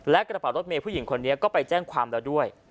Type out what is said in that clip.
และกระเป๋ารถเมย์ผู้หญิงคนนี้ก็ไปแจ้งความแล้วด้วย